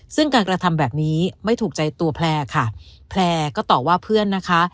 ซึ่งการกระทำแบบนี้ไม่ถูกใจตัวแพลร์ค่ะแพลร์ก็ตอบว่าเพื่อนนะคะ